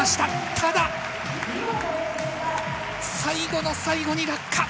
ただ、最後の最後に落下。